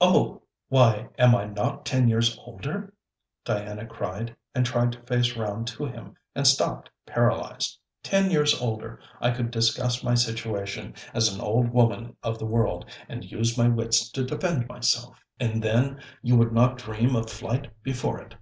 'Oh! why am I not ten years older!' Diana cried, and tried to face round to him, and stopped paralyzed. 'Ten years older, I could discuss my situation, as an old woman of the world, and use my wits to defend myself.' 'And then you would not dream of flight before it!'